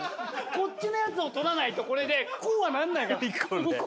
こっちのやつを取らないとこれでこうはなんないから。